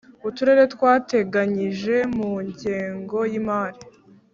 Uturere twateganyije mu ngengo y imari